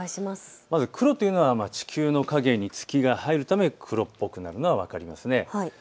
まず黒というのは地球の影に月が入るため黒っぽくなるのは分かります。